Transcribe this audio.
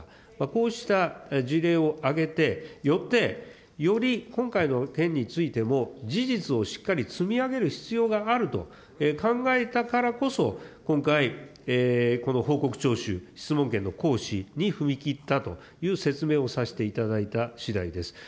こうした事例を挙げて、よって、より今回の件についても、事実をしっかり積み上げる必要があると考えたからこそ、今回、この報告徴収、質問権の行使に踏み切ったという説明をさせていただいたしだいです。